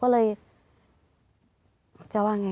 เธอว่าไง